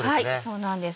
そうなんです